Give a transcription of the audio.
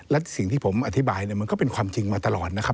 และสิ่งที่ผมอธิบายเนี่ยมันก็เป็นความจริงมาตลอดนะครับ